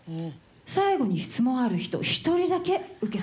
最後に質問ある人１人だけ受け付けます。